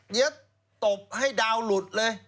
ยึดตบให้ดาวหลุดเลย